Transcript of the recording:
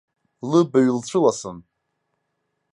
Лыбаҩ лцәыласын.